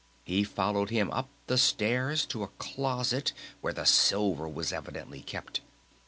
He followed him up the stairs to a closet where the silver was evidently kept!